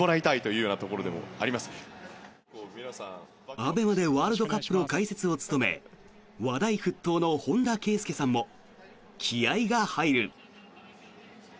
ＡＢＥＭＡでワールドカップの解説を務め話題沸騰の本田圭佑さんも気合が入る。